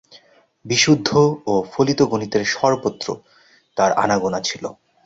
বিশুদ্ধ ও ফলিত গণিতের সর্বত্র তার আনাগোনা ছিল।